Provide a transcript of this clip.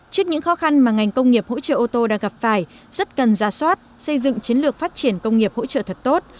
trước những khó khăn mà ngành công nghiệp hỗ trợ ô tô đang gặp phải rất cần ra soát xây dựng chiến lược phát triển công nghiệp hỗ trợ thật tốt